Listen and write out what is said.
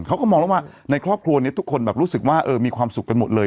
เขาก็มองแล้วว่าในครอบครัวนี้ทุกคนแบบรู้สึกว่ามีความสุขกันหมดเลย